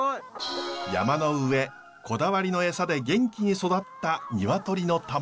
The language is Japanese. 山の上こだわりのエサで元気に育った鶏の卵。